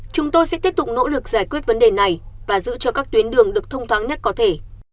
chúng tôi sẽ tiếp tục nỗ lực giải quyết vấn đề này và giữ cho các tuyến đường được thông thoáng nhất có thể